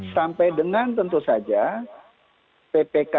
sampai dengan tentu saja ppk yang bersangkutan